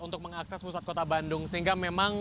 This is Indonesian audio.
untuk mengakses pusat kota bandung sehingga memang